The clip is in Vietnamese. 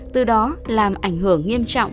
từ đó làm ảnh hưởng nghiêm trọng